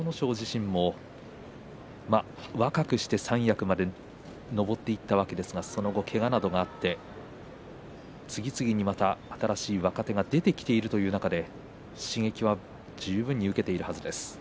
自身も若くして三役まで上っていったわけですがその後けがなどがあって次々にまた新しい若手が出てきているという中で刺激は十分に受けているはずです。